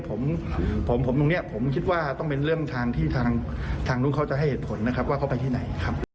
ผมนึงคิดว่าต้องเป็นเรื่องทางที่ทางนุ่งเขาจะให้เหตุผลว่าเขาไปที่ไหน